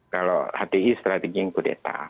kalau hti strateginya kudeta